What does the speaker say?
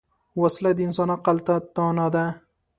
وسله د انسان عقل ته طعنه ده